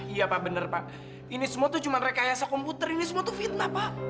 iya pak benar pak ini semua cuma rekayasa komputer ini semua fitnah pak